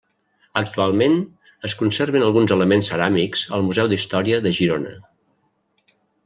Actualment es conserven alguns elements ceràmics al Museu d'Història de Girona.